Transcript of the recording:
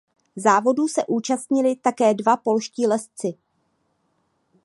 Závodů se účastnili také dva polští lezci.